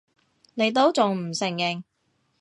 你都仲唔承認！